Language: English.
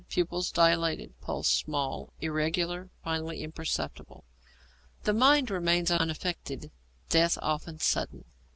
Pupils dilated. Pulse small, irregular, finally imperceptible. The mind remains unaffected. Death often sudden.